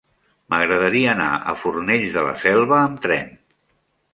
M'agradaria anar a Fornells de la Selva amb tren.